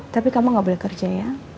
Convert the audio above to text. tapi kamu gak boleh kerja ya